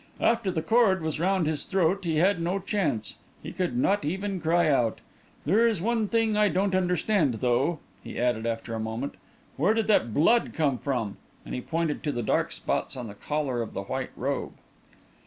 After the cord was round his throat, he had no chance he could not even cry out. There's one thing I don't understand, though," he added, after a moment. "Where did that blood come from?" and he pointed to the dark spots on the collar of the white robe.